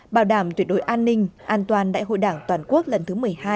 bảo đảm tuyệt đối an ninh an toàn đại hội đảng toàn quốc lần thứ một mươi hai